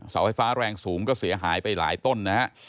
เสาไฟฟ้าแรงสูงก็เสียหายไปหลายต้นนะฮะ